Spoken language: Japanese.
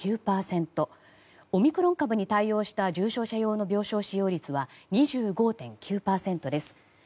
オミクロン株に対応した重症者用の病床使用率は２５．９％です。